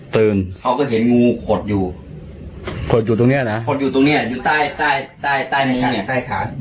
เขาก็เห็นงูขดอยู่ขดอยู่ตรงเนี้ยนะขดอยู่ตรงเนี้ยอยู่ใต้ใต้เนื้อเนี่ยใต้ขา